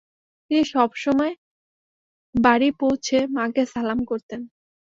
তিনি সবসসময় বাড়ি পৌঁছে মাকে সালাম করতেন।